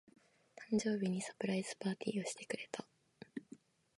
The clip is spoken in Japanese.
誕生日にサプライズパーティーをしてくれた。